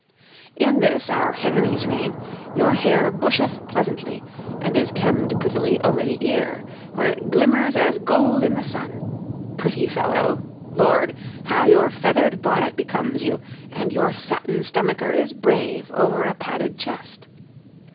In this our Henry's reign, your hair busheth pleasantly, and is kembed prettily over the ear, where it glimmers as gold i' the sun pretty fellow Lord! how your feathered bonnet becomes you, and your satin stomacher is brave over a padded chest.